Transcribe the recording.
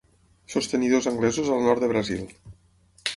Sostenidors anglesos al nord de Brasil.